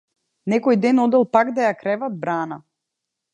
Некој ден одел пак да ја креват брана.